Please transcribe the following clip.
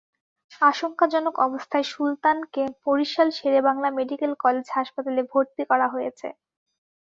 আশঙ্কাজনক অবস্থায় সুলতানকে বরিশাল শেরেবাংলা মেডিকেল কলেজ হাসপাতালে ভর্তি করা হয়েছে।